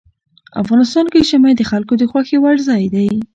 افغانستان کې ژمی د خلکو د خوښې وړ ځای دی.